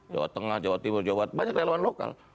jawa tengah jawa timur jawa banyak relawan lokal